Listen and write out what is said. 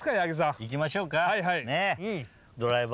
いきましょうか！